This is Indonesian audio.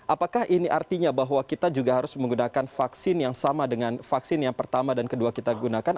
apakah ini artinya bahwa kita juga harus menggunakan vaksin yang sama dengan vaksin yang pertama dan kedua kita gunakan